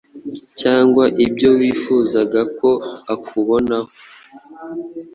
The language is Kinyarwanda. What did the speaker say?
Cyangwa ibyo wifuzaga ko akubonaho